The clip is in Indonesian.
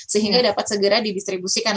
sehingga dapat segera didistribusikan